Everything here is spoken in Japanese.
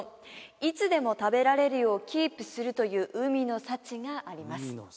いつでも食べられるようキープするという海の幸があります